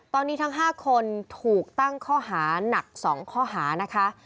ตอนนี้ทั้ง๕คนถูกตั้งข้อหานัก๒ข้อหานะคะ